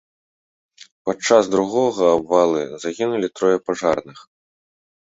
Падчас другога абвалы загінулі трое пажарных.